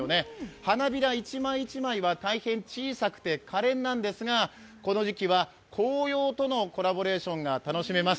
花びら１枚１枚は大変小さくて、かれんなんですが、この時期は紅葉とのコラボレーションが楽しめます。